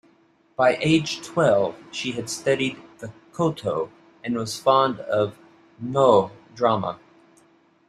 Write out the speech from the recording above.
By age twelve, she had studied the "koto" and was fond of "Noh" drama.